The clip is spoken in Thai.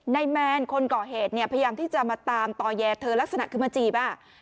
นายแมนคนก่อเหตุพยายามที่จะมาตามต่อแยกเธอลักษณะคือมาจีบ